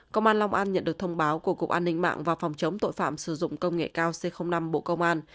công an long an nhận được thông báo của cục an ninh mạng và phòng chống tội phạm sử dụng công nghệ cao c năm bộ công an